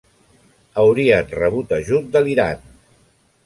Haurien rebut ajut de l'Iran.